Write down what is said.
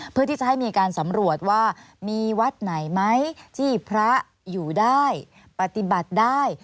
เพื่อที่จะให้มีการสำรวจว่ามีวัดไหนไหมที่พระอยู่ได้ปฏิบัติได้